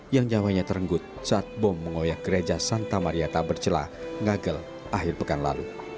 yang nyawanya terenggut saat bom mengoyak gereja santa mariata bercelah ngagel akhir pekan lalu